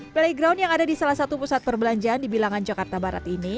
playground yang ada di salah satu pusat perbelanjaan dibilangan cokarta barat ini